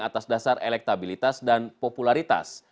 atas dasar elektabilitas dan popularitas